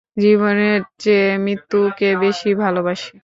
জীবনের চেয়ে মৃত্যু কে বেশী ভালবাসি।